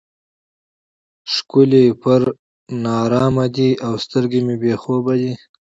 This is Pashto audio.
ښکلي پر نارامه دي او سترګې مې بې خوبه دي.